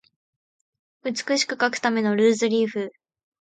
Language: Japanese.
美しく書くためのルーズリーフ